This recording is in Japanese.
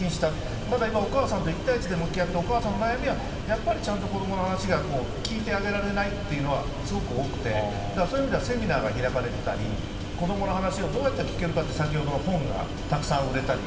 ただ今お母さんと一対一で向き合ってお母さんの悩みでちゃんと子供の話を聞いてあげられないというのがすごく多くてそういう意味ではセミナーが開かれてたり子供の話をどうやって聞けるかっていう本がたくさん売れたり。